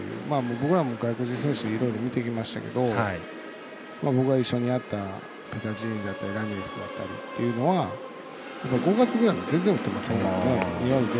僕らも外国人選手いろいろ見てきましたけど僕が一緒にやったラミレスだったりっていうのは５月ぐらいには全然打ってませんからね。